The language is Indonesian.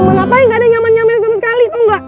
ngapain gak ada nyaman nyaman sama sekali tau gak